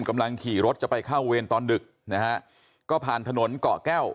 กำลังขี่รถจะไปเข้าเวรตอนดึกนะฮะก็ผ่านถนนเกาะแก้ว